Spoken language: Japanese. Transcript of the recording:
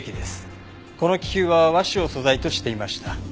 この気球は和紙を素材としていました。